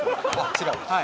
違う？